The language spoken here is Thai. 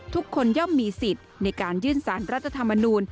ย่อมมีสิทธิ์ในการยื่นสารรัฐธรรมนูล